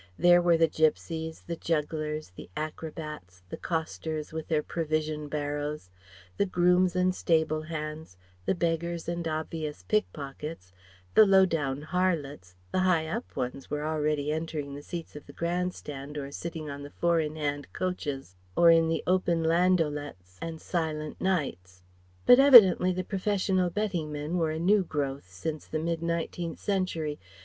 There were the gypsies, the jugglers, the acrobats, the costers with their provision barrows; the grooms and stable hands; the beggars and obvious pick pockets; the low down harlots the high up ones were already entering the seats of the Grand Stand or sitting on the four in hand coaches or in the open landaulettes and Silent Knights. But evidently the professional betting men were a new growth since the mid nineteenth century.